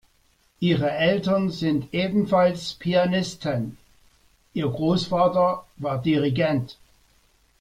Ihre Eltern sind ebenfalls Pianisten, ihr Großvater war Dirigent.